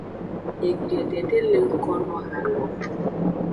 Egbede de le ngkono ha lo.